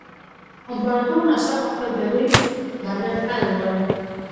امپراتور ناڅاپه خپل دریځ بدل کړی وای.